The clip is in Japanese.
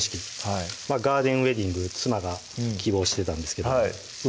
ガーデンウエディング妻が希望してたんですけど運